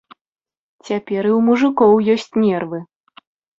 Цяпер і ў мужыкоў ёсць нервы.